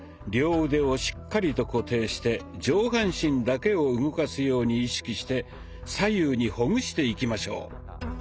両腕をしっかりと固定して上半身だけを動かすように意識して左右にほぐしていきましょう。